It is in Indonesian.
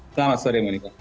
selamat sore monika